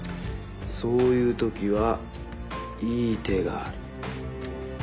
そういう時はいい手がある。